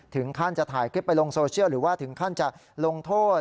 ถึงขั้นจะถ่ายคลิปไปลงโซเชียลหรือว่าถึงขั้นจะลงโทษ